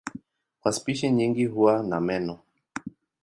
Kwa spishi nyingi huwa na meno.